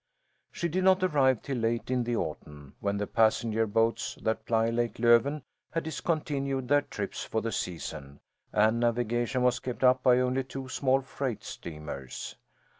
She did not arrive till late in the autumn, when the passenger boats that ply Lake Löven had discontinued their trips for the season and navigation was kept up by only two small freight steamers.